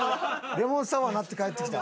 レモンサワーになって帰ってきた。